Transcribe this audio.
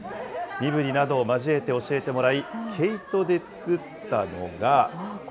身振りなどを交えて教えてもらい、毛糸で作ったのが。